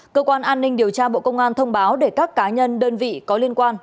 cơ quan an ninh điều tra bộ công an thông báo để các cá nhân đơn vị có liên quan